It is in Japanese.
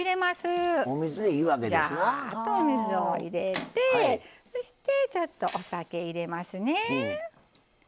ジャーッとお水を入れてそしてちょっとお酒入れますね。